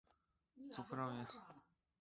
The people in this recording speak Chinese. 祖父张员。